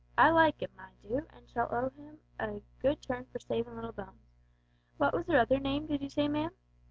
I like 'im, I do, an' shall owe 'im a good turn for savin' little Bones. What was her other name, did you say, ma'am?"